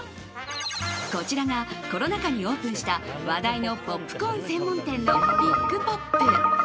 こちらがコロナ禍にオープンした話題のポップコーン専門店のビッグポップ。